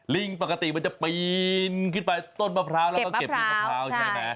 ลิงปกติมันจะปีนขึ้นไปต้นมะพร้าวแล้วก็เก็บลูกมะพร้าวใช่ไหม